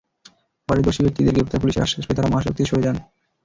পরে দোষী ব্যক্তিদের গ্রেপ্তারে পুলিশের আশ্বাস পেয়ে তাঁরা মহাসড়ক থেকে সরে যান।